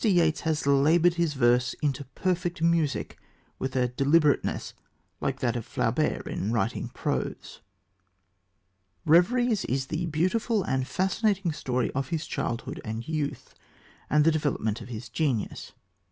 Yeats has laboured his verse into perfect music with a deliberateness like that of Flaubert in writing prose. Reveries is the beautiful and fascinating story of his childhood and youth, and the development of his genius.